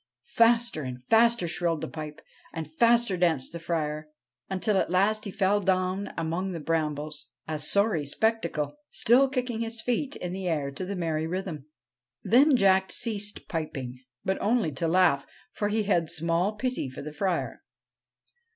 Faster and faster shrilled the pipe, and faster danced the Friar, until at last he fell down among the brambles, a sorry spectacle, still kicking his feet in the air to the merry rhythm. Then Jack 124 THE FRIAR AND THE BOY ceased piping, but only to laugh ; for he had small pity for the Friar.